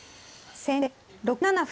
先手６七歩。